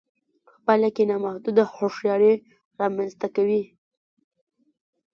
په پايله کې نامحدوده هوښياري رامنځته کوي.